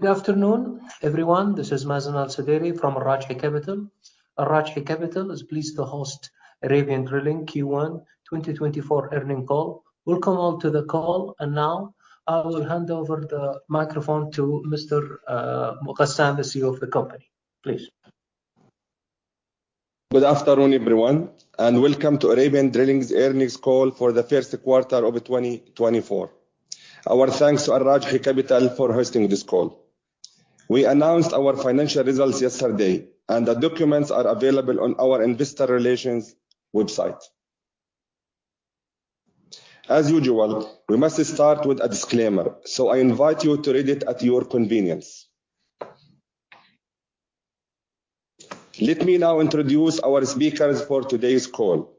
Good afternoon, everyone. This is Mazen Al-Sudairi from Al Rajhi Capital. Al Rajhi Capital is pleased to host Arabian Drilling Q1 2024 earnings call. Welcome all to the call, and now I will hand over the microphone to Mr. Ghassan, the CEO of the company. Please. Good afternoon, everyone, and welcome to Arabian Drilling's earnings call for the first quarter of 2024. Our thanks to Al Rajhi Capital for hosting this call. We announced our financial results yesterday, and the documents are available on our investor relations website. As usual, we must start with a disclaimer, so I invite you to read it at your convenience. Let me now introduce our speakers for today's call.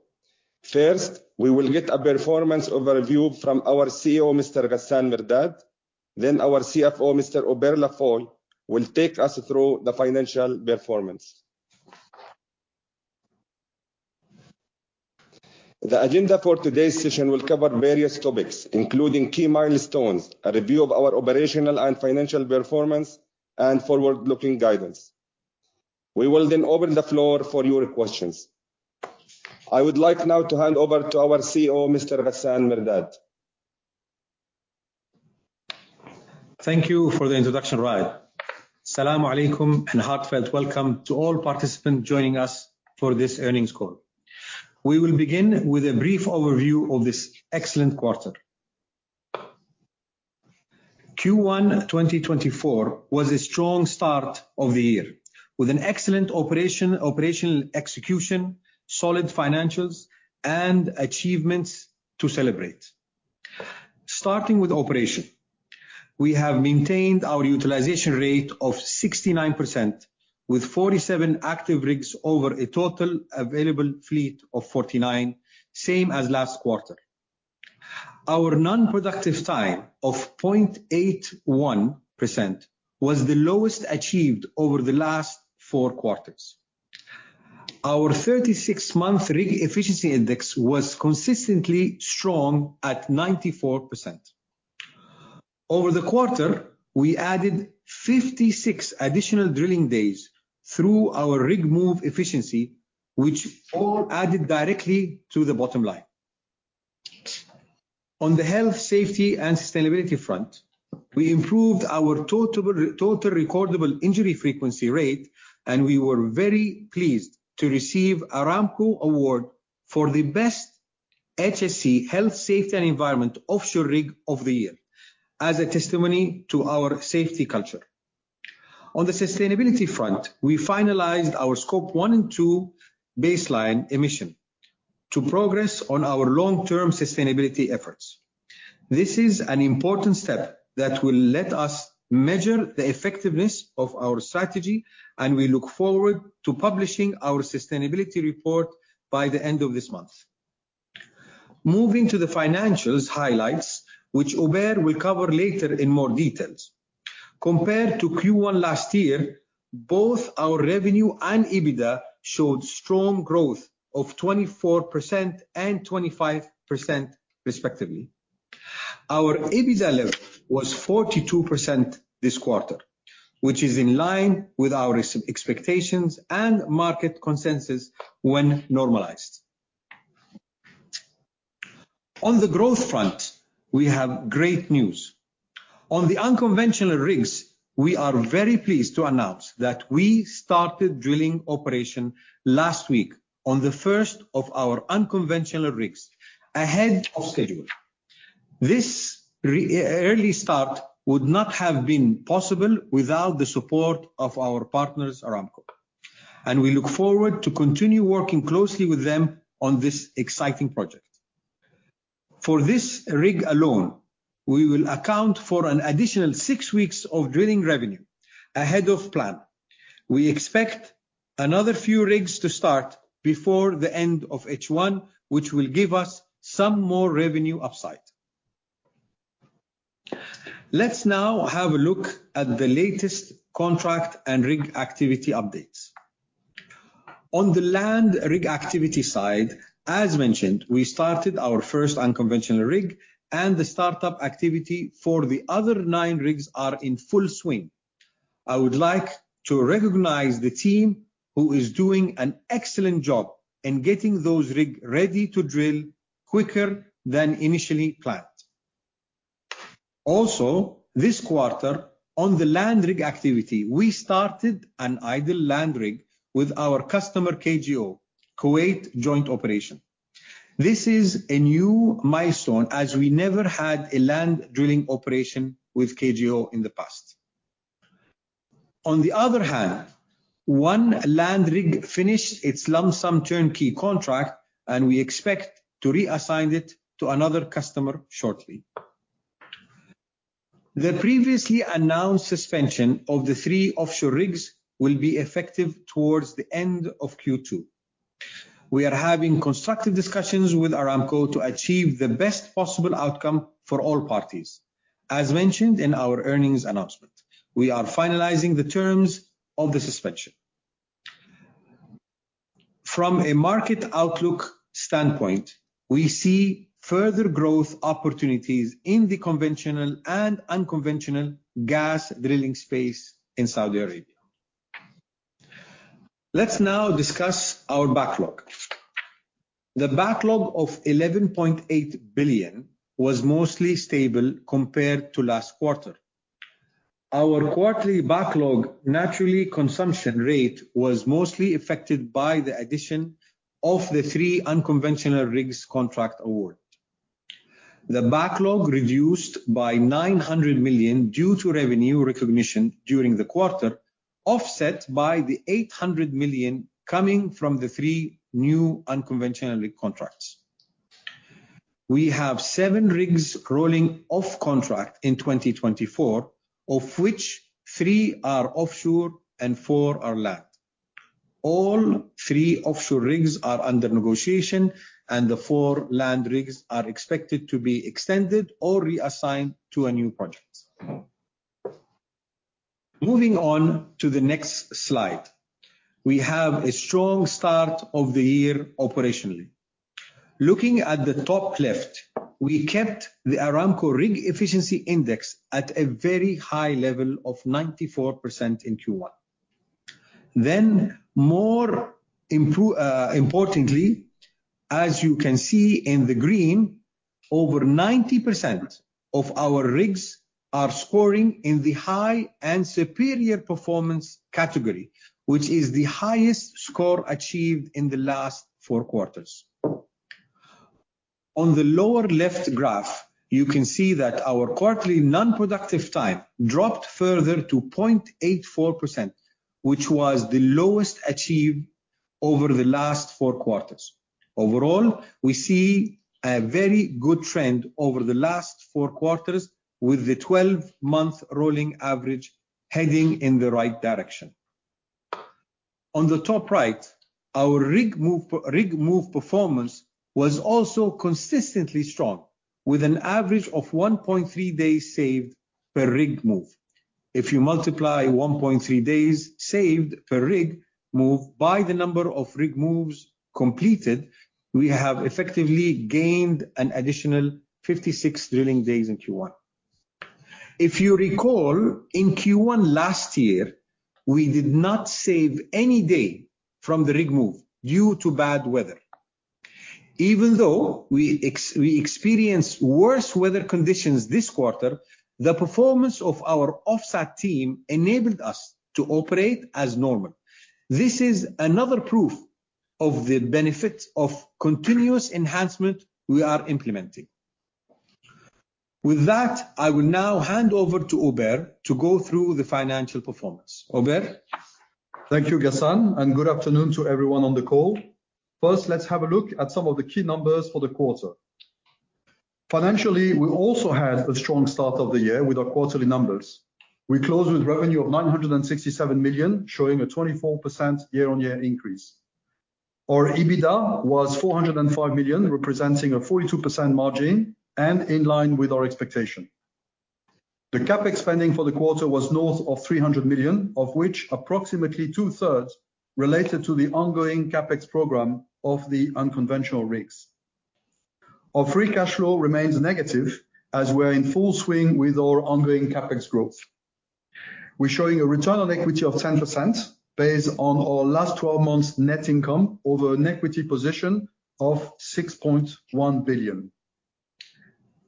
First, we will get a performance overview from our CEO, Mr. Ghassan Mirdad. Then our CFO, Mr. Hubert Lafeuille, will take us through the financial performance. The agenda for today's session will cover various topics, including key milestones, a review of our operational and financial performance, and forward-looking guidance. We will then open the floor for your questions. I would like now to hand over to our CEO, Mr. Ghassan Mirdad. Thank you for the introduction, Raed. Salaam Alaikum, and a heartfelt welcome to all participants joining us for this earnings call. We will begin with a brief overview of this excellent quarter. Q1 2024 was a strong start of the year, with an excellent operation, operational execution, solid financials, and achievements to celebrate. Starting with operation. We have maintained our utilization rate of 69%, with 47 active rigs over a total available fleet of 49, same as last quarter. Our non-productive time of 0.81% was the lowest achieved over the last four quarters. Our 36-month rig efficiency index was consistently strong at 94%. Over the quarter, we added 56 additional drilling days through our rig move efficiency, which all added directly to the bottom line. On the health, safety, and sustainability front, we improved our total recordable injury frequency rate, and we were very pleased to receive Aramco award for the best HSE, Health, Safety, and Environment offshore rig of the year, as a testimony to our safety culture. On the sustainability front, we finalized our Scope 1 and 2 baseline emission to progress on our long-term sustainability efforts. This is an important step that will let us measure the effectiveness of our strategy, and we look forward to publishing our sustainability report by the end of this month. Moving to the financials highlights, which Hubert will cover later in more details. Compared to Q1 last year, both our revenue and EBITDA showed strong growth of 24% and 25%, respectively. Our EBITDA level was 42% this quarter, which is in line with our expectations and market consensus when normalized. On the growth front, we have great news. On the unconventional rigs, we are very pleased to announce that we started drilling operation last week on the first of our unconventional rigs ahead of schedule. This early start would not have been possible without the support of our partners, Aramco, and we look forward to continue working closely with them on this exciting project. For this rig alone, we will account for an additional six weeks of drilling revenue ahead of plan. We expect another few rigs to start before the end of H1, which will give us some more revenue upside. Let's now have a look at the latest contract and rig activity updates. On the land rig activity side, as mentioned, we started our first unconventional rig, and the startup activity for the other nine rigs are in full swing. I would like to recognize the team who is doing an excellent job in getting those rigs ready to drill quicker than initially planned. Also, this quarter, on the land rig activity, we started an idle land rig with our customer, KJO, Kuwait Joint Operations. This is a new milestone as we never had a land drilling operation with KJO in the past. On the other hand, one land rig finished its Lump Sum Turnkey contract, and we expect to reassign it to another customer shortly. The previously announced suspension of the three offshore rigs will be effective towards the end of Q2. We are having constructive discussions with Aramco to achieve the best possible outcome for all parties. As mentioned in our earnings announcement, we are finalizing the terms of the suspension. From a market outlook standpoint, we see further growth opportunities in the conventional and unconventional gas drilling space in Saudi Arabia. Let's now discuss our backlog. The backlog of 11.8 billion was mostly stable compared to last quarter. Our quarterly backlog, naturally, consumption rate was mostly affected by the addition of the three unconventional rigs contract award. The backlog reduced by 900 million due to revenue recognition during the quarter, offset by the 800 million coming from the three new unconventional rig contracts. We have seven rigs rolling off contract in 2024, of which three are offshore and four are land. All three offshore rigs are under negotiation, and the four land rigs are expected to be extended or reassigned to a new project. Moving on to the next slide. We have a strong start of the year operationally. Looking at the top left, we kept the Aramco Rig Efficiency Index at a very high level of 94% in Q1. Then more importantly, as you can see in the green, over 90% of our rigs are scoring in the high and superior performance category, which is the highest score achieved in the last four quarters. On the lower left graph, you can see that our quarterly non-productive time dropped further to 0.84%, which was the lowest achieved over the last four quarters. Overall, we see a very good trend over the last four quarters, with the 12-month rolling average heading in the right direction. On the top right, our rig move, rig move performance was also consistently strong, with an average of 1.3 days saved per rig move. If you multiply 1.3 days saved per rig move by the number of rig moves completed, we have effectively gained an additional 56 drilling days in Q1. If you recall, in Q1 last year, we did not save any day from the rig move due to bad weather. Even though we experienced worse weather conditions this quarter, the performance of our offshore team enabled us to operate as normal. This is another proof of the benefits of continuous enhancement we are implementing. With that, I will now hand over to Hubert to go through the financial performance. Hubert? Thank you, Ghassan, and good afternoon to everyone on the call. First, let's have a look at some of the key numbers for the quarter. Financially, we also had a strong start of the year with our quarterly numbers. We closed with revenue of 967 million, showing a 24% year-on-year increase. Our EBITDA was 405 million, representing a 42% margin and in line with our expectation. The CapEx spending for the quarter was north of 300 million, of which approximately two-thirds related to the ongoing CapEx program of the unconventional rigs. Our free cash flow remains negative as we're in full swing with our ongoing CapEx growth. We're showing a return on equity of 10% based on our last twelve months net income over an equity position of 6.1 billion.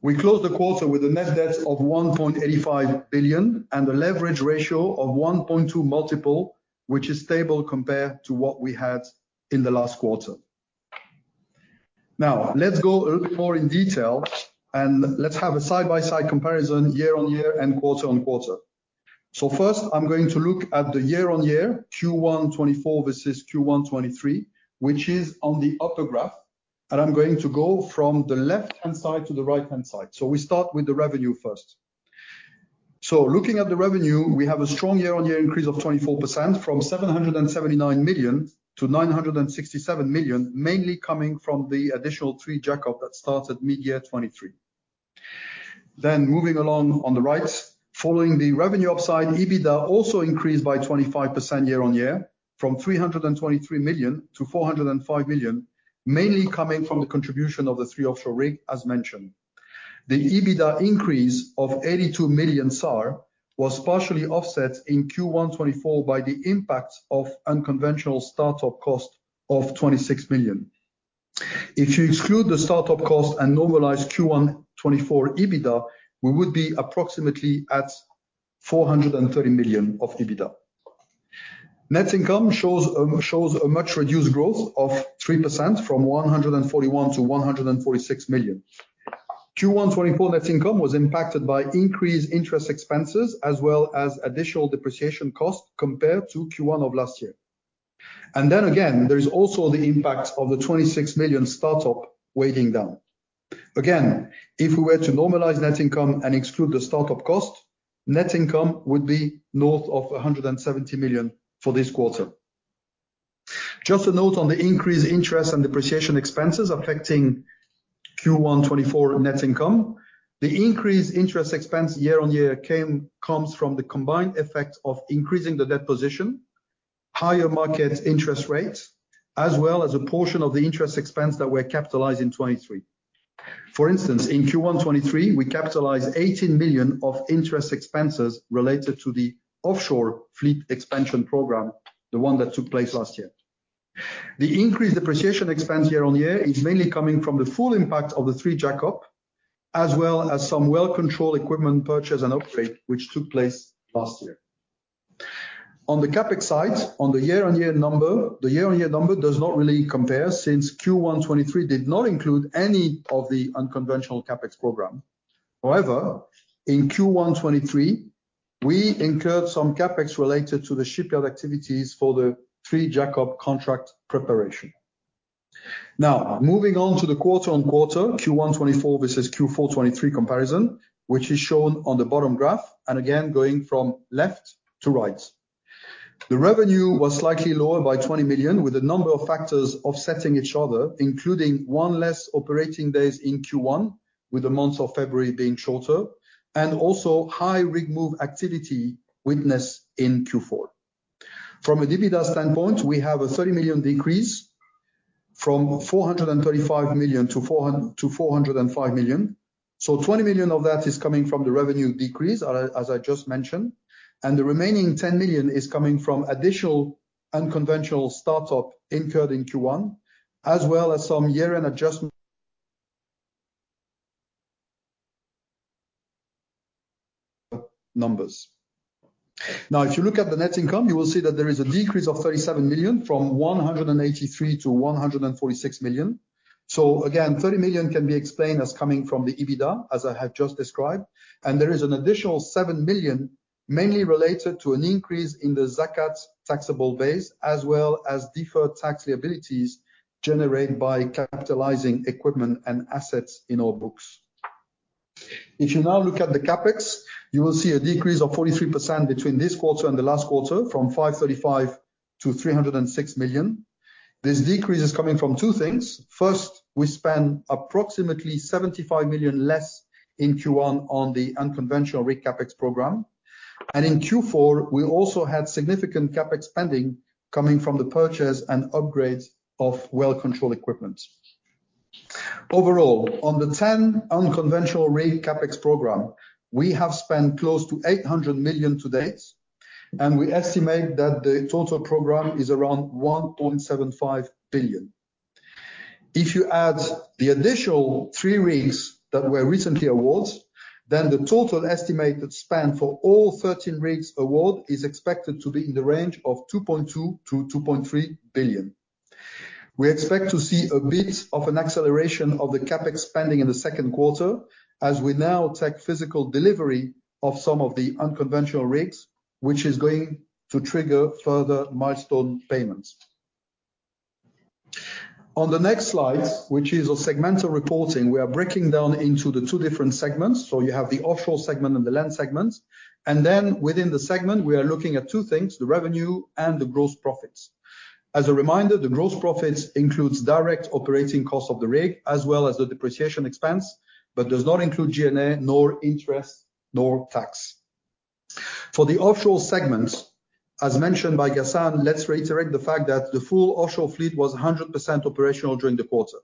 We closed the quarter with a net debt of 1.85 billion and a leverage ratio of 1.2x, which is stable compared to what we had in the last quarter. Now, let's go a little bit more in detail and let's have a side-by-side comparison year-on-year and quarter-on-quarter. So first, I'm going to look at the year-on-year Q1 2024 versus Q1 2023, which is on the upper graph, and I'm going to go from the left-hand side to the right-hand side. So we start with the revenue first. So looking at the revenue, we have a strong year-on-year increase of 24% from 779 million to 967 million, mainly coming from the additional three jackup that started mid-year 2023. Then moving along on the right, following the revenue upside, EBITDA also increased by 25% year-on-year, from 323 million to 405 million, mainly coming from the contribution of the three offshore rigs, as mentioned. The EBITDA increase of 82 million SAR was partially offset in Q1 2024 by the impact of unconventional start-up cost of 26 million. If you exclude the start-up cost and normalize Q1 2024 EBITDA, we would be approximately at 430 million of EBITDA. Net income shows a much reduced growth of 3% from 141 million to 146 million. Q1 2024 net income was impacted by increased interest expenses as well as additional depreciation costs compared to Q1 of last year. And then again, there is also the impact of the 26 million start-up weighing down. Again, if we were to normalize net income and exclude the start-up cost, net income would be north of 170 million for this quarter. Just a note on the increased interest and depreciation expenses affecting Q1 2024 net income. The increased interest expense year-on-year comes from the combined effect of increasing the debt position, higher market interest rates, as well as a portion of the interest expense that we're capitalized in 2023. For instance, in Q1 2023, we capitalized 18 million of interest expenses related to the offshore fleet expansion program, the one that took place last year. The increased depreciation expense year-on-year is mainly coming from the full impact of the three jackup, as well as some well control equipment purchase and upgrade, which took place last year. On the CapEx side, on the year-on-year number, the year-on-year number does not really compare, since Q1 2023 did not include any of the unconventional CapEx program. However, in Q1 2023, we incurred some CapEx related to the shipyard activities for the three jackup contract preparation. Now, moving on to the quarter-on-quarter, Q1 2024 versus Q4 2023 comparison, which is shown on the bottom graph, and again, going from left to right. The revenue was slightly lower by 20 million, with a number of factors offsetting each other, including one less operating days in Q1, with the month of February being shorter, and also high rig move activity witnessed in Q4. From an EBITDA standpoint, we have a 30 million decrease from 435 million to 405 million. So 20 million of that is coming from the revenue decrease, as I just mentioned, and the remaining 10 million is coming from additional unconventional start-up incurred in Q1, as well as some year-end adjustment numbers. Now, if you look at the net income, you will see that there is a decrease of 37 million from 183 million to 146 million. So again, 30 million can be explained as coming from the EBITDA, as I have just described, and there is an additional 7 million, mainly related to an increase in the Zakat taxable base, as well as deferred tax liabilities generated by capitalizing equipment and assets in our books. If you now look at the CapEx, you will see a decrease of 43% between this quarter and the last quarter, from 535 million to 306 million. This decrease is coming from two things. First, we spent approximately 75 million less in Q1 on the unconventional rig CapEx program, and in Q4, we also had significant CapEx spending coming from the purchase and upgrades of well control equipment. Overall, on the 10 unconventional rig CapEx program, we have spent close to 800 million to date, and we estimate that the total program is around 1.75 billion. If you add the initial 3 rigs that were recently awarded, then the total estimated spend for all 13 rigs awarded is expected to be in the range of 2.2-2.3 billion. We expect to see a bit of an acceleration of the CapEx spending in the second quarter, as we now take physical delivery of some of the unconventional rigs, which is going to trigger further milestone payments. On the next slide, which is a segmental reporting, we are breaking down into the two different segments. You have the offshore segment and the land segment. Then within the segment, we are looking at two things, the revenue and the gross profits. As a reminder, the gross profits includes direct operating costs of the rig, as well as the depreciation expense, but does not include G&A, nor interest, nor tax. For the offshore segment, as mentioned by Ghassan, let's reiterate the fact that the full offshore fleet was 100% operational during the quarter.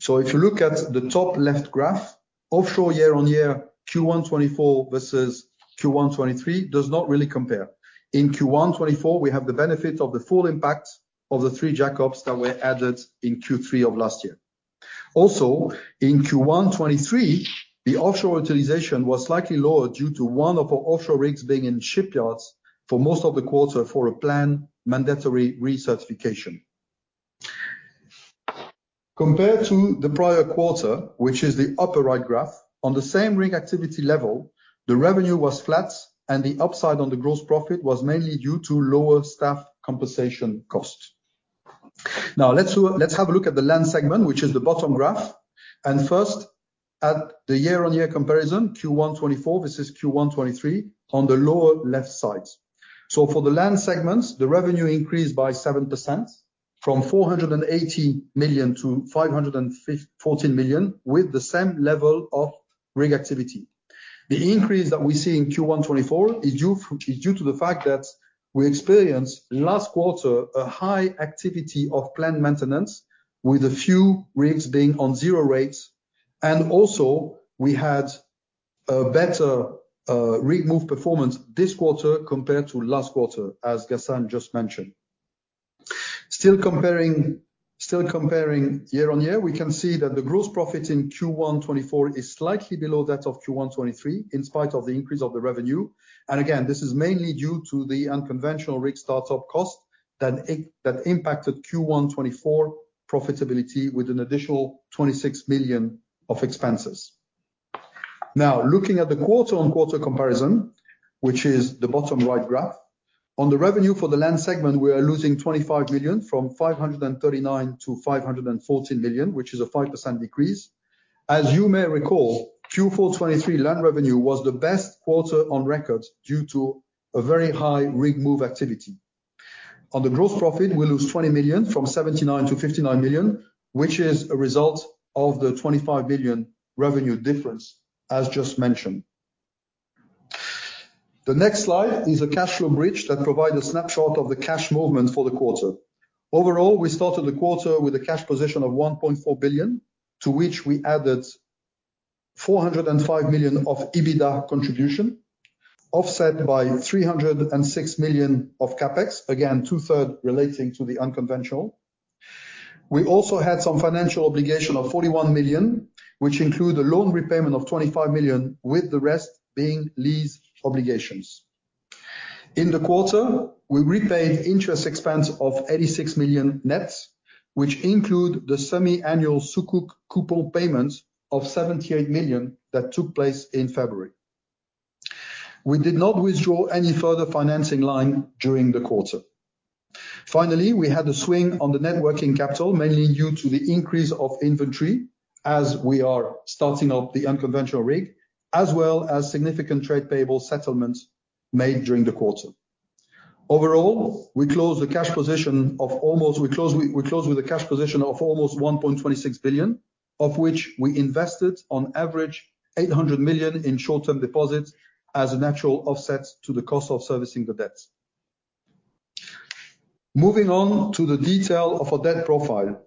If you look at the top left graph, offshore year-on-year, Q1 2024 versus Q1 2023, does not really compare. In Q1 2024, we have the benefit of the full impact of the three jackups that were added in Q3 of last year. Also, in Q1 2023, the offshore utilization was slightly lower due to one of our offshore rigs being in shipyards for most of the quarter for a planned mandatory recertification. Compared to the prior quarter, which is the upper right graph, on the same rig activity level, the revenue was flat and the upside on the gross profit was mainly due to lower staff compensation cost. Now, let's have a look at the land segment, which is the bottom graph, and first, at the year-on-year comparison, Q1 2024, this is Q1 2023, on the lower left side. So for the land segments, the revenue increased by 7%, from 480 million to 514 million, with the same level of rig activity. The increase that we see in Q1 2024 is due to the fact that we experienced last quarter a high activity of planned maintenance, with a few rigs being on zero rates. And also, we had a better rig move performance this quarter compared to last quarter, as Ghassan just mentioned. Still comparing year-on-year, we can see that the gross profit in Q1 2024 is slightly below that of Q1 2023, in spite of the increase of the revenue. And again, this is mainly due to the unconventional rig start-up cost that impacted Q1 2024 profitability with an additional 26 million of expenses. Now, looking at the quarter-on-quarter comparison, which is the bottom right graph, on the revenue for the land segment, we are losing 25 million from 539 million to 514 million, which is a 5% decrease. As you may recall, Q4 2023 land revenue was the best quarter on record due to a very high rig move activity. On the gross profit, we lose 20 million from 79 million to 59 million, which is a result of the 25 billion revenue difference, as just mentioned. The next slide is a cash flow bridge that provides a snapshot of the cash movement for the quarter. Overall, we started the quarter with a cash position of 1.4 billion, to which we added 405 million of EBITDA contribution, offset by 306 million of CapEx. Again, two-thirds relating to the unconventional. We also had some financial obligation of 41 million, which include a loan repayment of 25 million, with the rest being lease obligations. In the quarter, we repaid interest expense of 86 million net, which include the semi-annual Sukuk coupon payment of 78 million that took place in February. We did not withdraw any further financing line during the quarter. Finally, we had a swing on the net working capital, mainly due to the increase of inventory as we are starting up the unconventional rig, as well as significant trade payable settlements made during the quarter. Overall, we closed with a cash position of almost 1.26 billion, of which we invested on average 800 million in short-term deposits as a natural offset to the cost of servicing the debts. Moving on to the detail of our debt profile.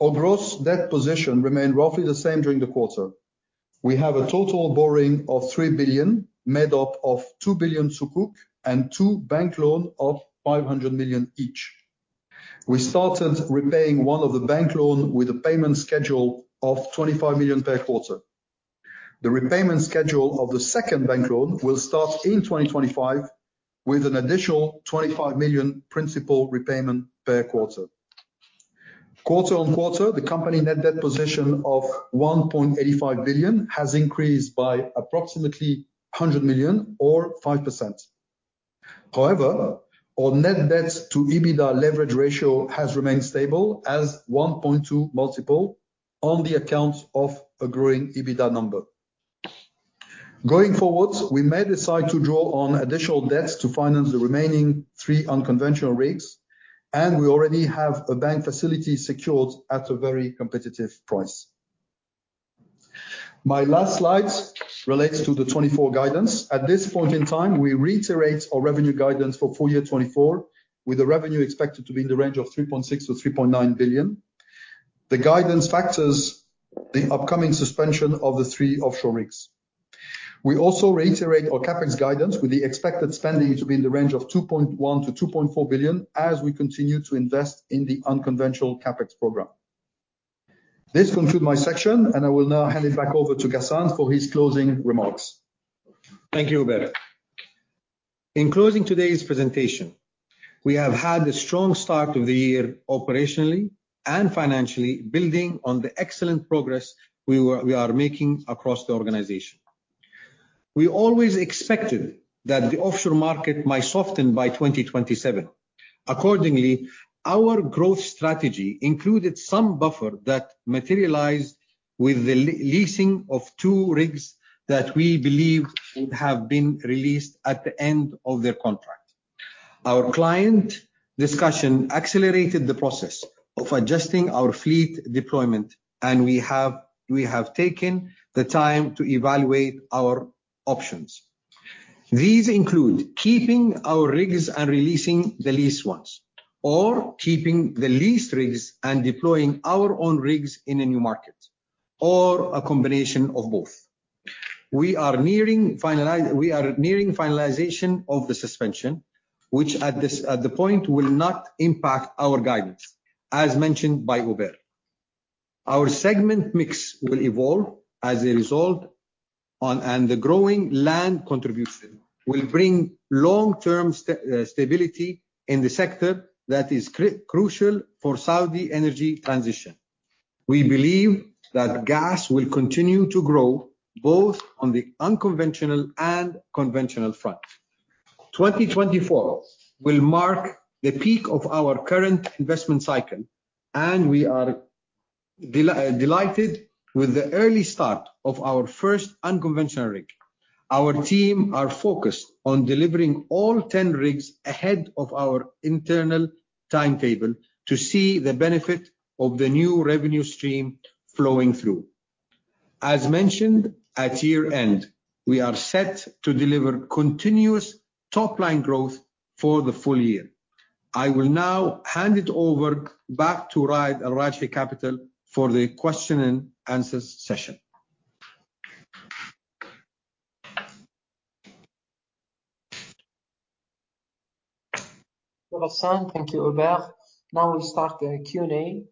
Our gross debt position remained roughly the same during the quarter. We have a total borrowing of 3 billion, made up of 2 billion Sukuk and two bank loan of 500 million each. We started repaying one of the bank loan with a payment schedule of 25 million per quarter. The repayment schedule of the second bank loan will start in 2025, with an additional 25 million principal repayment per quarter. Quarter-on-quarter, the company net debt position of 1.85 billion has increased by approximately 100 million or 5%. However, our net debt to EBITDA leverage ratio has remained stable as 1.2x multiple on the account of a growing EBITDA number. Going forward, we may decide to draw on additional debts to finance the remaining 3 unconventional rigs, and we already have a bank facility secured at a very competitive price. My last slide relates to the 2024 guidance. At this point in time, we reiterate our revenue guidance for full year 2024, with the revenue expected to be in the range of 3.6 billion-3.9 billion. The guidance factors, the upcoming suspension of the 3 offshore rigs. We also reiterate our CapEx guidance, with the expected spending to be in the range of 2.1 billion-2.4 billion as we continue to invest in the unconventional CapEx program. This concludes my section, and I will now hand it back over to Ghassan for his closing remarks. Thank you, Hubert. In closing today's presentation, we have had a strong start of the year, operationally and financially, building on the excellent progress we are making across the organization. We always expected that the offshore market might soften by 2027. Accordingly, our growth strategy included some buffer that materialized with the leasing of two rigs that we believe would have been released at the end of their contract. Our client discussion accelerated the process of adjusting our fleet deployment, and we have taken the time to evaluate our options. These include keeping our rigs and releasing the leased ones, or keeping the leased rigs and deploying our own rigs in a new market, or a combination of both. We are nearing finalization of the suspension, which at this point will not impact our guidance, as mentioned by Hubert. Our segment mix will evolve as a result on... The growing land contribution will bring long-term stability in the sector that is crucial for Saudi energy transition. We believe that gas will continue to grow both on the unconventional and conventional front. 2024 will mark the peak of our current investment cycle, and we are delighted with the early start of our first unconventional rig. Our team are focused on delivering all 10 rigs ahead of our internal timetable to see the benefit of the new revenue stream flowing through. As mentioned, at year-end, we are set to deliver continuous top-line growth for the full year. I will now hand it over back to Raed, Al Rajhi Capital for the question and answer session. Thank you, Ghassan. Thank you, Hubert. Now we start the Q&A,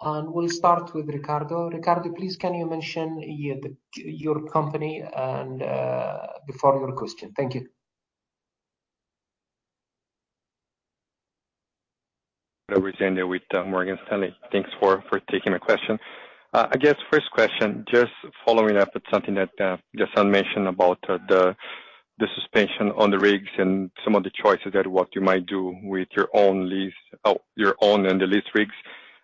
and we'll start with Ricardo. Ricardo, please, can you mention your company and, before your question? Thank you. Ricardo Rezende with Morgan Stanley. Thanks for taking my question. I guess, first question, just following up with something that Ghassan mentioned about the suspension on the rigs and some of the choices that what you might do with your own lease, or your own and the leased rigs.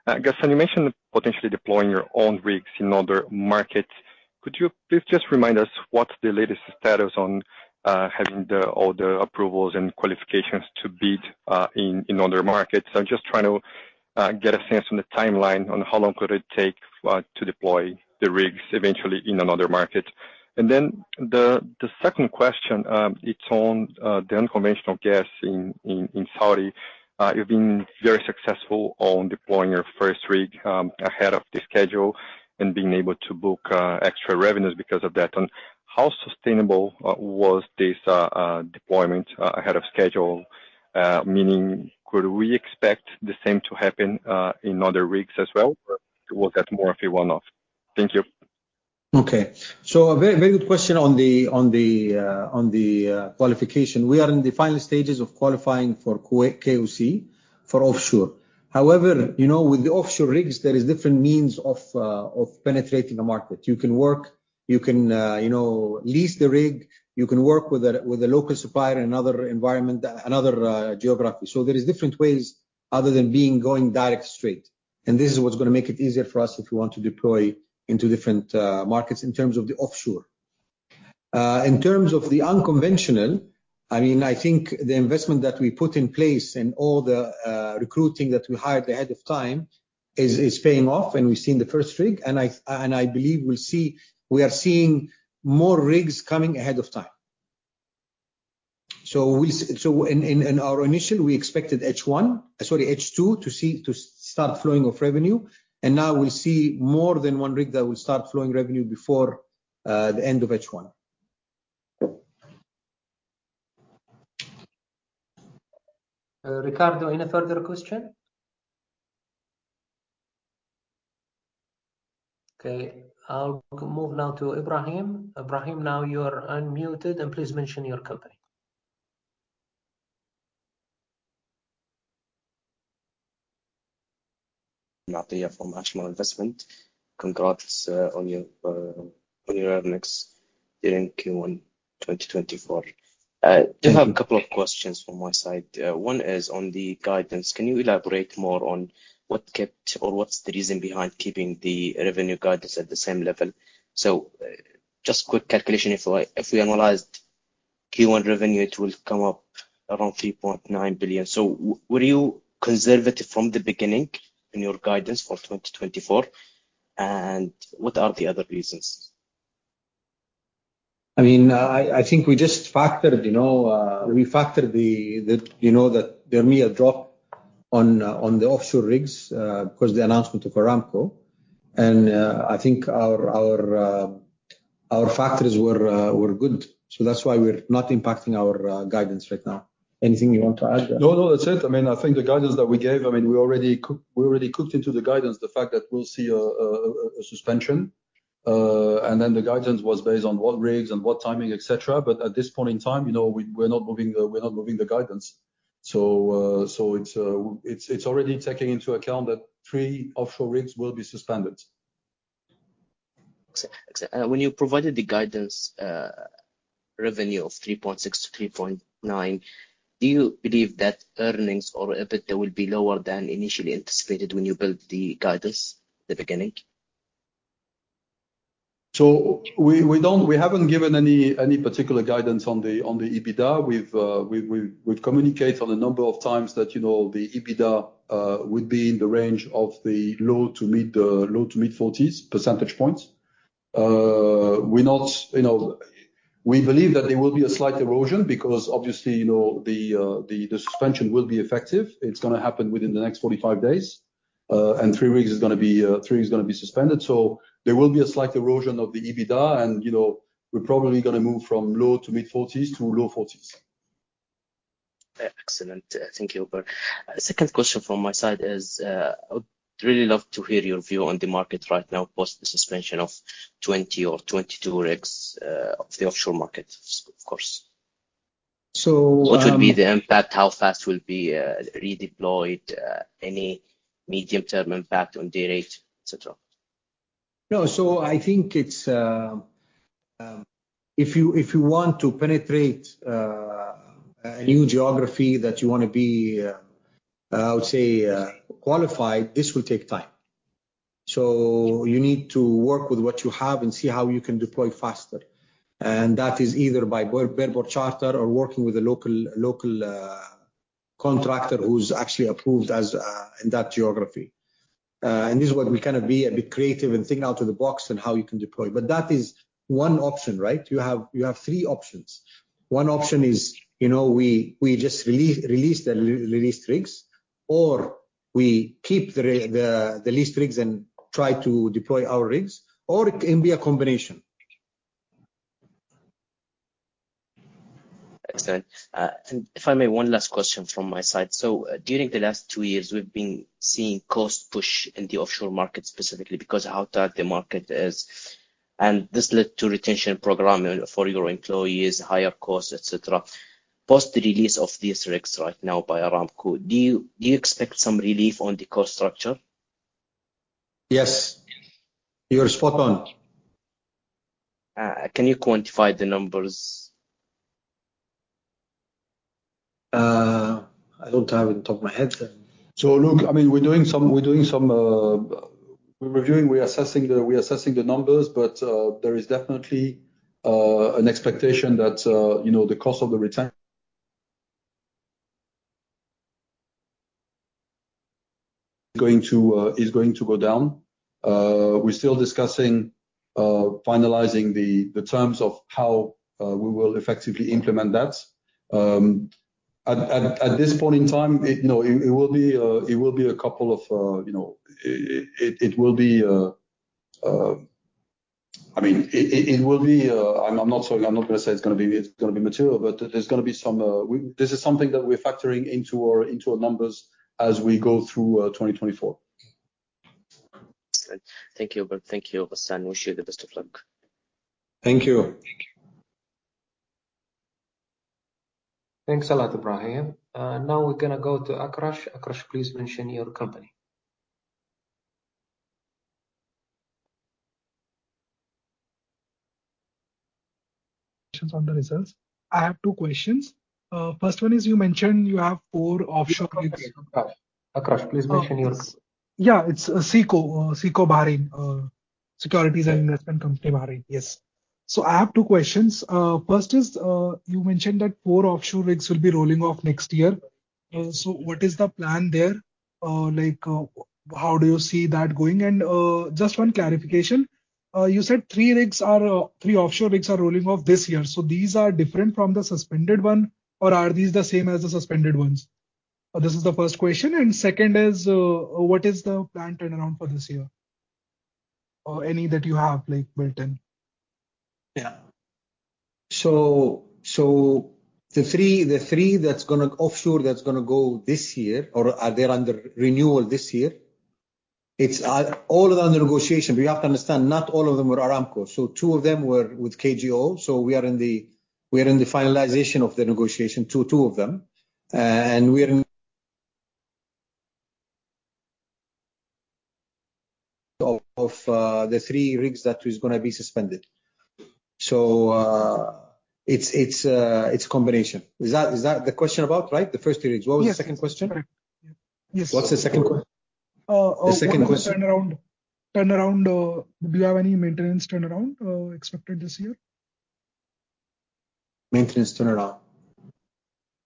Ghassan, you mentioned potentially deploying your own rigs in other markets. Could you please just remind us what's the latest status on having all the approvals and qualifications to bid in other markets? I'm just trying to get a sense on the timeline on how long could it take to deploy the rigs eventually in another market. And then the second question, it's on the unconventional gas in Saudi. You've been very successful on deploying your first rig ahead of the schedule and being able to book extra revenues because of that. How sustainable was this deployment ahead of schedule? Meaning could we expect the same to happen in other rigs as well, or was that more of a one-off? Thank you. Okay. So a very, very good question on the qualification. We are in the final stages of qualifying for KOC for offshore. However, you know, with the offshore rigs, there is different means of penetrating the market. You can work, you can, you know, lease the rig, you can work with a local supplier in another environment, another geography. So there is different ways other than being going direct straight, and this is what's gonna make it easier for us if we want to deploy into different markets in terms of the offshore. In terms of the unconventional, I mean, I think the investment that we put in place and all the recruiting that we hired ahead of time is paying off, and we've seen the first rig, and I believe we are seeing more rigs coming ahead of time. So in our initial, we expected H1, sorry, H2 to see to start flowing of revenue, and now we see more than one rig that will start flowing revenue before the end of H1. Ricardo, any further question? Okay, I'll move now to Ibrahim. Ibrahim, now you are unmuted, and please mention your company. Mathia from Ashmore Investment. Congrats on your earnings during Q1, 2024. Thank you. I do have a couple of questions from my side. One is on the guidance. Can you elaborate more on what kept or what's the reason behind keeping the revenue guidance at the same level? So just quick calculation, if I, if we analyzed Q1 revenue, it will come up around 3.9 billion. So were you conservative from the beginning in your guidance for 2024, and what are the other reasons? I mean, I think we just factored, you know, we factored the real drop on the offshore rigs because the announcement of Aramco. And I think our factors were good. So that's why we're not impacting our guidance right now. Anything you want to add, Hubert? No, no, that's it. I mean, I think the guidance that we gave, I mean, we already cook. We already cooked into the guidance, the fact that we'll see a suspension, and then the guidance was based on what rigs and what timing, et cetera. But at this point in time, you know, we're not moving the guidance. So, it's already taking into account that three offshore rigs will be suspended. When you provided the guidance, revenue of 3.6-3.9, do you believe that earnings or EBITDA will be lower than initially anticipated when you built the guidance at the beginning? So we don't. We haven't given any particular guidance on the EBITDA. We've communicated on a number of times that, you know, the EBITDA would be in the range of the low-to-mid 40s percentage points. We're not, you know, we believe that there will be a slight erosion because obviously, you know, the suspension will be effective. It's gonna happen within the next 45 days, and 3 rigs is gonna be suspended. So there will be a slight erosion of the EBITDA, and, you know, we're probably gonna move from low-to-mid 40s to low 40s. Excellent. Thank you, Albert. Second question from my side is, I would really love to hear your view on the market right now, post the suspension of 20 or 22 rigs, of the offshore market, of course. So, uh. What would be the impact? How fast will be redeployed, any medium-term impact on day rate, et cetera? No, so I think it's if you want to penetrate a new geography that you want to be qualified. This will take time. So you need to work with what you have and see how you can deploy faster, and that is either by bareboat charter or working with a local contractor who's actually approved in that geography. And this is where we kind of be a bit creative and think out of the box on how you can deploy. But that is one option, right? You have three options. One option is, you know, we just release the rigs, or we keep the leased rigs and try to deploy our rigs, or it can be a combination. Excellent. And if I may, one last question from my side. So during the last two years, we've been seeing cost push in the offshore market, specifically because how tight the market is, and this led to retention program for your employees, higher costs, et cetera. Post the release of these rigs right now by Aramco, do you, do you expect some relief on the cost structure? Yes. You are spot on. Can you quantify the numbers? I don't have it on the top of my head. So look, I mean, we're reviewing, we're assessing the numbers, but there is definitely an expectation that, you know, the cost of the retirement is going to go down. We're still discussing finalizing the terms of how we will effectively implement that. At this point in time, it will be a couple of, you know, it will be. I mean, it will be. I'm not saying it's gonna be material, but there's gonna be some. This is something that we're factoring into our numbers as we go through 2024. Good. Thank you. Thank you, Bassem. Wish you the best of luck. Thank you. Thank you. Thanks a lot, Ibrahim. Now we're gonna go to Akarsh. Akarsh, please mention your company. Questions on the results. I have two questions. First one is, you mentioned you have four offshore. Akarsh, please mention your. Yeah, it's SICO, SICO Bahrain, Securities and Investment Company, Bahrain. Yes. So I have two questions. First is, you mentioned that four offshore rigs will be rolling off next year. So what is the plan there? Like, how do you see that going? And, just one clarification. You said three rigs are, three offshore rigs are rolling off this year. So these are different from the suspended one, or are these the same as the suspended ones? This is the first question, and second is, what is the planned turnaround for this year? Or any that you have, like, built in. Yeah. So, the three that's gonna... Offshore, that's gonna go this year, or are they under renewal this year, it's all under negotiation. We have to understand, not all of them were Aramco. So two of them were with KJO, so we are in the finalization of the negotiation, two of them. And we are in of the three rigs that is gonna be suspended. So, it's a combination. Is that the question about, right? The first three rigs. Yes. What was the second question? Correct. Yes. What's the second que. Uh, uh. The second question. Turnaround. Turnaround, do you have any maintenance turnaround expected this year? Maintenance turnaround?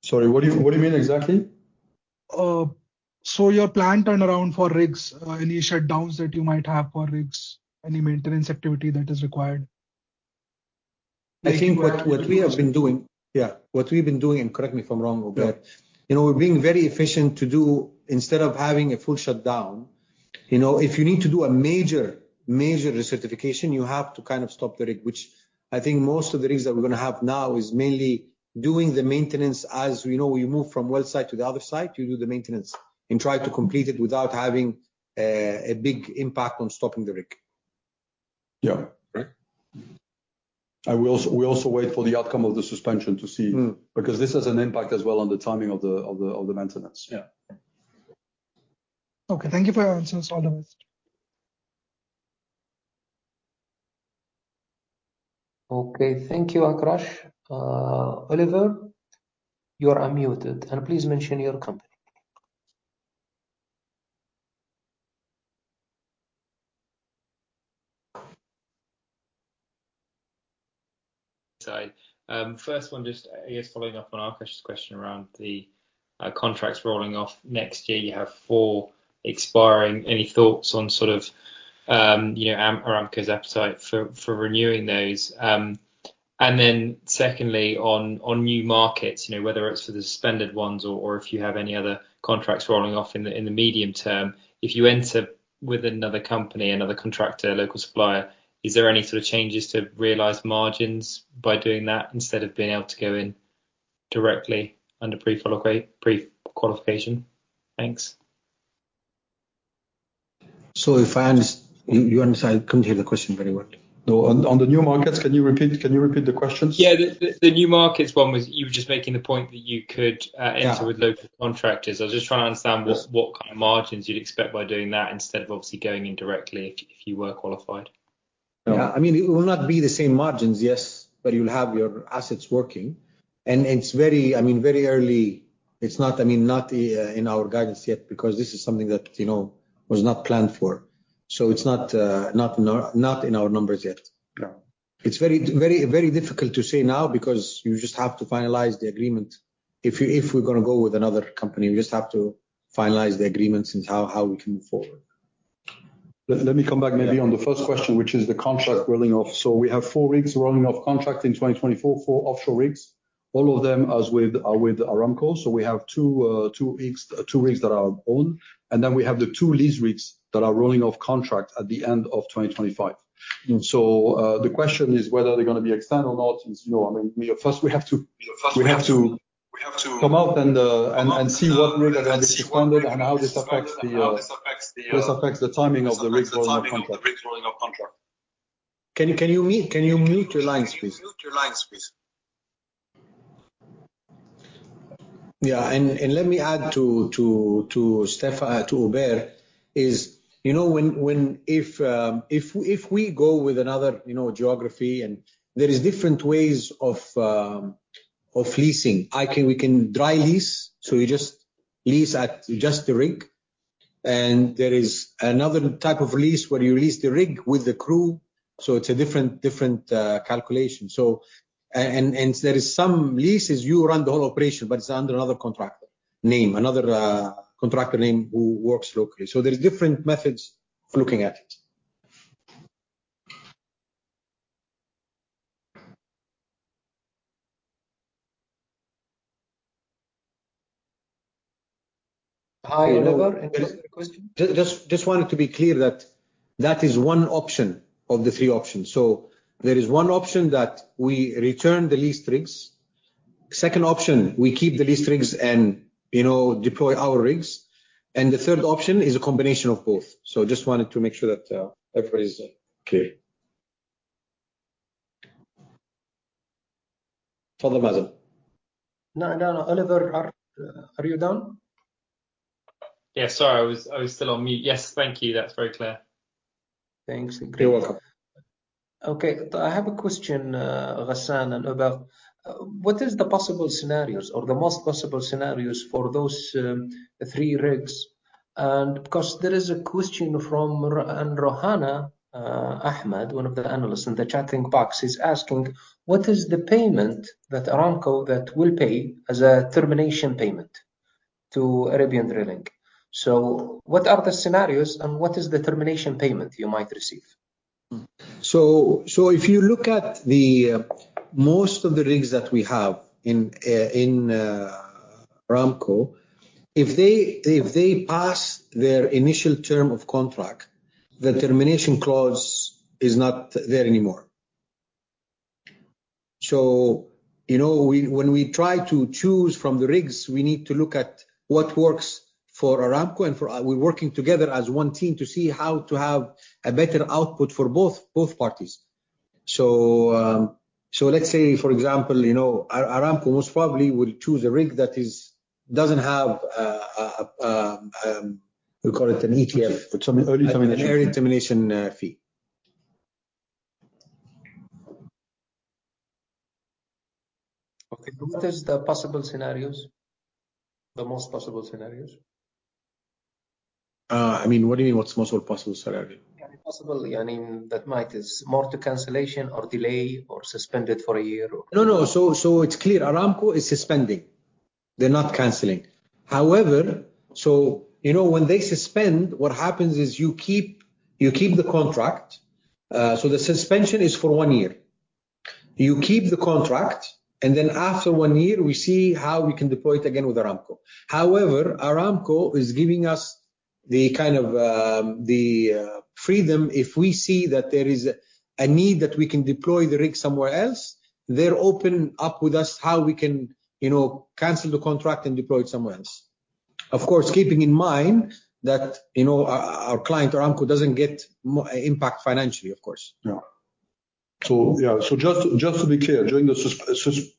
Sorry, what do you mean exactly? So, your plan turnaround for rigs, any shutdowns that you might have for rigs, any maintenance activity that is required? I think what we've been doing. Yeah, what we've been doing, and correct me if I'm wrong, Hubert. Yeah. You know, we're being very efficient to do, instead of having a full shutdown, you know, if you need to do a major, major recertification, you have to kind of stop the rig, which I think most of the rigs that we're gonna have now is mainly doing the maintenance as, you know, we move from one site to the other site, you do the maintenance and try to complete it without having a big impact on stopping the rig. Yeah. Right. And we also wait for the outcome of the suspension to see. Mm. Because this has an impact as well on the timing of the maintenance. Yeah. Okay, thank you for your answers. All the best. Okay, thank you, Akarsh. Oliver, you are unmuted, and please mention your company. Sorry. First one, just, I guess, following up on Akarsh's question around the contracts rolling off next year. You have four expiring. Any thoughts on sort of, you know, Aramco's appetite for renewing those? And then secondly, on new markets, you know, whether it's for the suspended ones or if you have any other contracts rolling off in the medium term, if you enter with another company, another contractor, local supplier, is there any sort of changes to realized margins by doing that, instead of being able to go in directly under pre-qualification? Thanks. So if I understand? You understand? I couldn't hear the question very well. No, on, on the new markets, can you repeat, can you repeat the questions? Yeah. The new markets one was, you were just making the point that you could. Yeah. Enter with local contractors. I was just trying to understand what, what kind of margins you'd expect by doing that, instead of obviously going in directly if you, if you were qualified. Yeah. I mean, it will not be the same margins, yes, but you'll have your assets working. And it's very, I mean, very early. It's not, I mean, not in our guidance yet, because this is something that, you know, was not planned for. So it's not in our numbers yet. Yeah. It's very, very, very difficult to say now because you just have to finalize the agreement. If you- if we're gonna go with another company, we just have to finalize the agreements and how, how we can move forward. Let me come back maybe on the first question, which is the contract rolling off. So we have four rigs rolling off contract in 2024, four offshore rigs, all of them as with Aramco. So we have two, two rigs that are owned, and then we have the two lease rigs that are rolling off contract at the end of 2025. Mm. So, the question is whether they're gonna be extended or not. It's, you know, I mean, first we have to come out and see what rig are going to be suspended and how this affects the timing of the rig rolling off contract. Can you mute your lines, please? Yeah, and let me add to Stefan, to Hubert. You know, when—if we go with another geography and there is different ways of leasing. We can dry lease, so you just lease just the rig. And there is another type of lease where you lease the rig with the crew, so it's a different calculation. And there is some leases, you run the whole operation, but it's under another contractor name, another contractor name who works locally. So there is different methods of looking at it. Hi, Oliver. Another question? Just wanted to be clear that that is one option of the three options. So there is one option that we return the leased rigs. Second option, we keep the leased rigs and, you know, deploy our rigs. And the third option is a combination of both. So just wanted to make sure that everybody is clear. Further, Mazen? No, no, Oliver, are you done? Yeah, sorry, I was, I was still on mute. Yes, thank you. That's very clear. Thanks, agreed. You're welcome. Okay. I have a question, Ghassan, and about what is the possible scenarios or the most possible scenarios for those three rigs? And because there is a question from Rehan Ahmed, one of the analysts in the chatting box, is asking: What is the payment that Aramco that will pay as a termination payment to Arabian Drilling? So what are the scenarios, and what is the termination payment you might receive? So, if you look at the most of the rigs that we have in Aramco, if they pass their initial term of contract, the termination clause is not there anymore. So, you know, we... When we try to choose from the rigs, we need to look at what works for Aramco and for our-- We're working together as one team to see how to have a better output for both, both parties. So, let's say, for example, you know, Aramco most probably will choose a rig that is-- doesn't have a we call it an ETF. It's an early termination. Early termination fee. Okay. What is the possible scenarios? The most possible scenarios? I mean, what do you mean what's most possible scenario? Yeah, possible. I mean, that might is more to cancellation or delay or suspended for a year or. No, no. So it's clear, Aramco is suspending. They're not canceling. However, you know, when they suspend, what happens is you keep the contract. So the suspension is for one year. You keep the contract, and then after one year, we see how we can deploy it again with Aramco. However, Aramco is giving us the kind of freedom, if we see that there is a need that we can deploy the rig somewhere else, they're open with us how we can, you know, cancel the contract and deploy it somewhere else. Of course, keeping in mind that, you know, our client, Aramco, doesn't get more impact financially, of course. Yeah. So, just to be clear, during the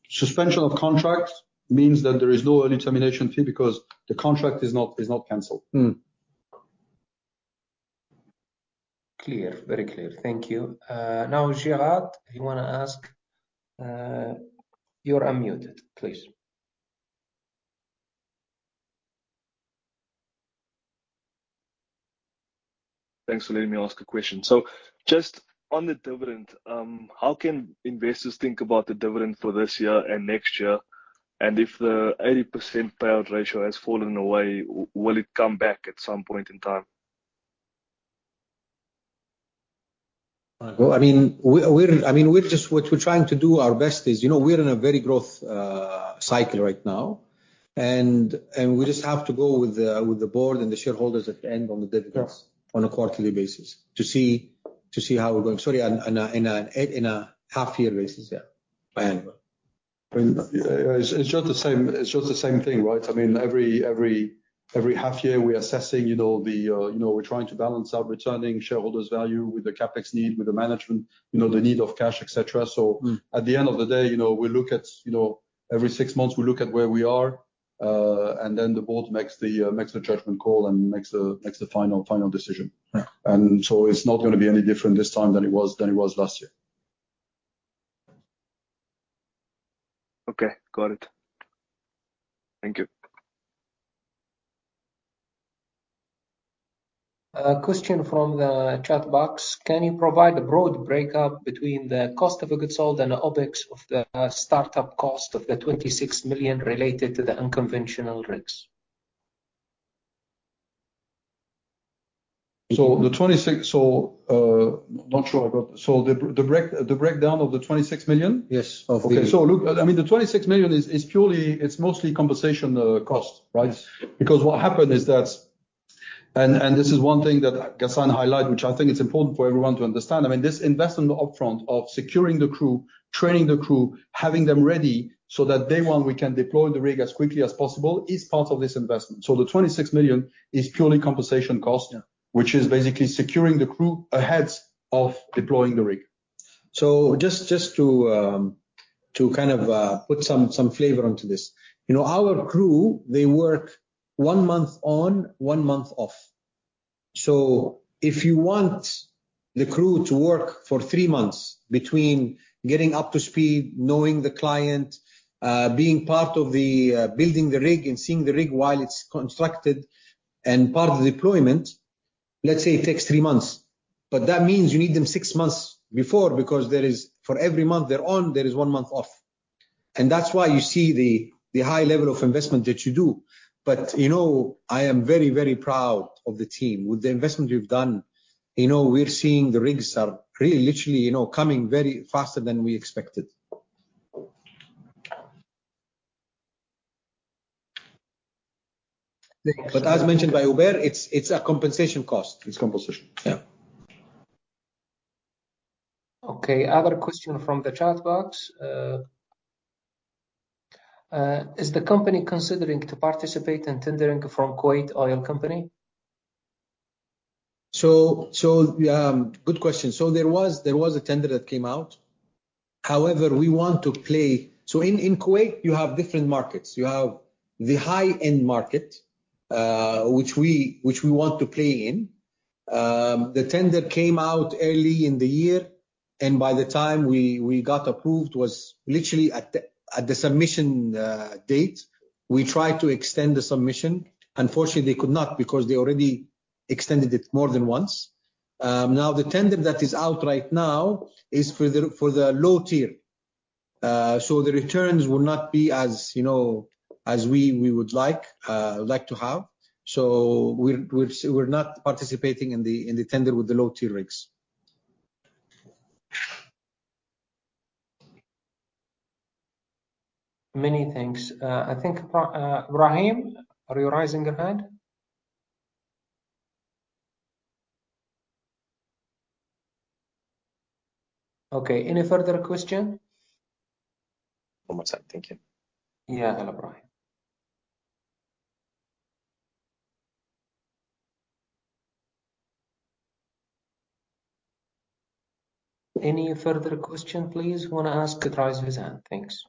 suspension of contract means that there is no early termination fee because the contract is not canceled. Mm. Clear. Very clear. Thank you. Now, Gerard, you wanna ask? You're unmuted, please. Thanks for letting me ask a question. So just on the dividend, how can investors think about the dividend for this year and next year? And if the 80% payout ratio has fallen away, will it come back at some point in time? Well, I mean, we're just what we're trying to do our best is, you know, we're in a very growth cycle right now, and we just have to go with the board and the shareholders at the end on the dividends. Yeah. On a quarterly basis, to see how we're doing. Sorry, on a half-year basis, yeah. Annual. It's just the same thing, right? I mean, every half year, we are assessing, you know, you know, we're trying to balance our returning shareholders' value with the CapEx need, with the management, you know, the need of cash, et cetera. Mm. At the end of the day, you know, we look at, you know, every six months, we look at where we are, and then the board makes the, makes the judgment call and makes the, makes the final, final decision. Yeah. It's not gonna be any different this time than it was, than it was last year. Okay, got it. Thank you. Question from the chat box: Can you provide a broad breakup between the cost of goods sold and the OpEx of the startup cost of the 26 million related to the unconventional rigs? So, not sure I got the breakdown of the 26 million? Yes, of the. Okay. So look, I mean, the 26 million is purely, it's mostly compensation cost, right? Yes. Because what happened is that, and this is one thing that Ghassan highlight, which I think is important for everyone to understand. I mean, this investment upfront of securing the crew, training the crew, having them ready so that day one, we can deploy the rig as quickly as possible, is part of this investment. So the 26 million is purely compensation cost. Yeah. Which is basically securing the crew ahead of deploying the rig. So just to kind of put some flavor onto this. You know, our crew, they work one month on, one month off. So if you want the crew to work for three months between getting up to speed, knowing the client, being part of the building the rig and seeing the rig while it's constructed and part of the deployment, let's say it takes three months. But that means you need them six months before, because there is for every month they're on, there is one month off. And that's why you see the high level of investment that you do. But, you know, I am very, very proud of the team. With the investment we've done, you know, we're seeing the rigs are really literally, you know, coming very faster than we expected. But as mentioned by Hubert, it's, it's a compensation cost. It's compensation. Yeah. Okay, other question from the chat box. Is the company considering to participate in tendering from Kuwait Oil Company? Good question. So there was a tender that came out. However, we want to play. So in Kuwait, you have different markets. You have the high-end market, which we want to play in. The tender came out early in the year, and by the time we got approved, was literally at the submission date. We tried to extend the submission. Unfortunately, they could not because they already extended it more than once. Now, the tender that is out right now is for the low-tier. So the returns will not be as, you know, as we would like to have. So we're not participating in the tender with the low-tier rigs. Many thanks. I think, Rahim, are you raising your hand? Okay, any further question? One more time. Thank you. Yeah, Rahim. Any further question? Please want to ask. Raise your hand. Thanks.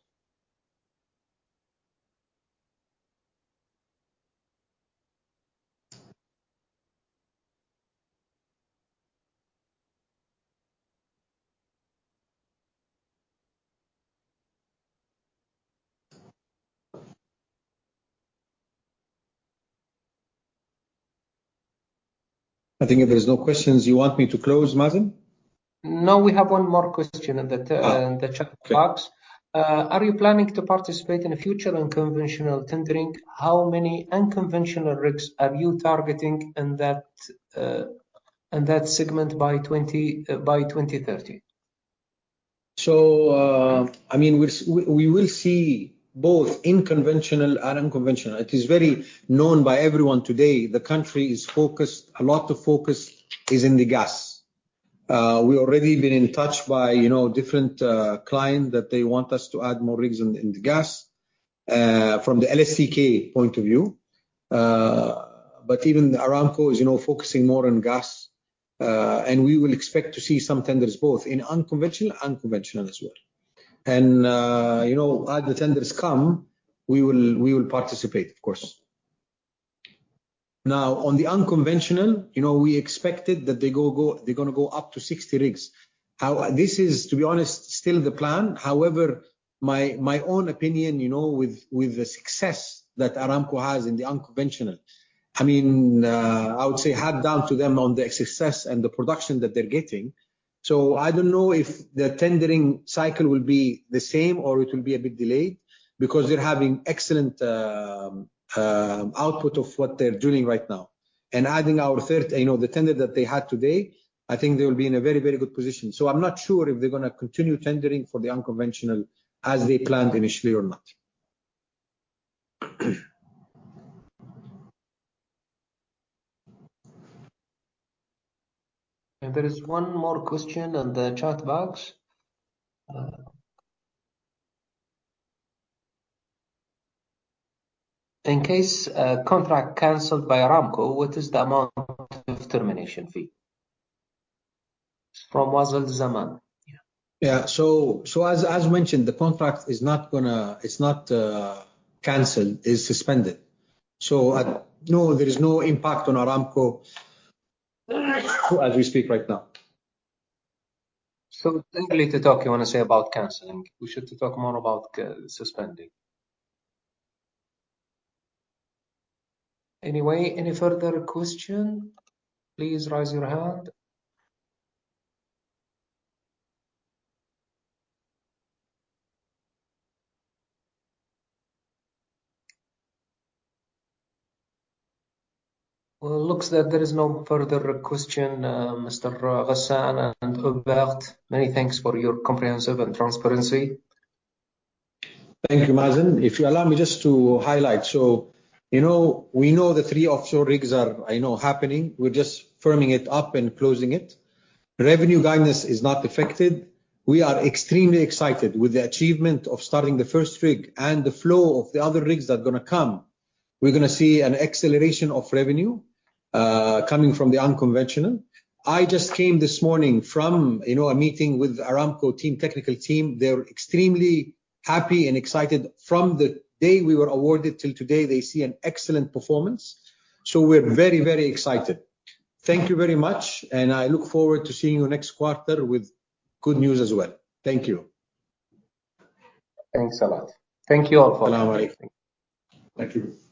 I think if there's no questions, you want me to close, Mazen? No, we have one more question. Ah. In the chat box. Okay. Are you planning to participate in a future unconventional tendering? How many unconventional rigs are you targeting in that segment by 2030? So, I mean, we will see both conventional and unconventional. It is very known by everyone today, the country is focused. A lot of focus is in the gas. We already been in touch by, you know, different client, that they want us to add more rigs in the gas, from the LSTK point of view. But even Aramco is, you know, focusing more on gas. And we will expect to see some tenders both in conventional and unconventional as well. And, you know, as the tenders come, we will participate, of course. Now, on the unconventional, you know, we expected that they go. They're gonna go up to 60 rigs. This is, to be honest, still the plan. However, my own opinion, you know, with the success that Aramco has in the unconventional, I mean, I would say hats off to them on the success and the production that they're getting. So I don't know if the tendering cycle will be the same or it will be a bit delayed, because they're having excellent output of what they're doing right now. And adding our third, you know, the tender that they had today, I think they will be in a very, very good position. So I'm not sure if they're gonna continue tendering for the unconventional as they planned initially or not. There is one more question on the chat box. In case a contract canceled by Aramco, what is the amount of termination fee? From Faisal Zaman. Yeah. So as mentioned, the contract is not gonna... It's not canceled, is suspended. So, no, there is no impact on Aramco, as we speak right now. So, don't really want to talk. You want to say about canceling, we should talk more about suspending. Anyway, any further question, please raise your hand. Well, it looks like there is no further question, Mr. Ghassan and Hubert, many thanks for your comprehensive transparency. Thank you, Mazen. If you allow me just to highlight. So, you know, we know the three offshore rigs are, I know, happening. We're just firming it up and closing it. Revenue guidance is not affected. We are extremely excited with the achievement of starting the first rig and the flow of the other rigs that are gonna come. We're gonna see an acceleration of revenue, coming from the unconventional. I just came this morning from, you know, a meeting with Aramco team, technical team. They're extremely happy and excited. From the day we were awarded till today, they see an excellent performance. So we're very, very excited. Thank you very much, and I look forward to seeing you next quarter with good news as well. Thank you. Thanks a lot. Thank you all for. Thank you.